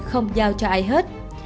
không giao cho ai hết